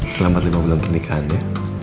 selamat lima bulan pernikahan ya